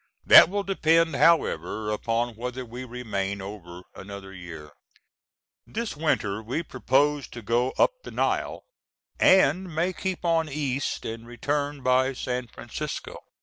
That will depend however upon whether we remain over another year. This winter we propose to go up the Nile, and may keep on east and return by San Francisco.